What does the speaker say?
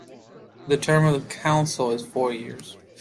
The term of the council is four years.